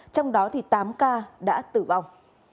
trong đó thì tám ca đã tử vong